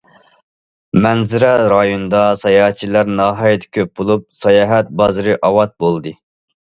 مەنزىرە رايونىدا ساياھەتچىلەر ناھايىتى كۆپ بولۇپ، ساياھەت بازىرى ئاۋات بولدى.